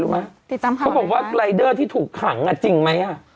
รู้ไหมติดตามข่าวเขาบอกว่าที่ถูกขังอ่ะจริงไหมอ่ะ